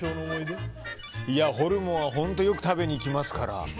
ホルモンは本当によく食べに行きますから。